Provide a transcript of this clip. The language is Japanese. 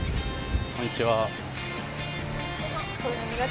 こんにちは。